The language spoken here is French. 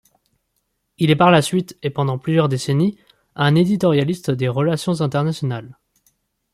Il est par la suite et pendant plusieurs décennies un éditorialiste des relations internationales.